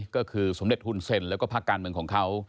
ก็คือสมเด็จฮุนเซ็นแล้วก็ภาคการเมืองของเขา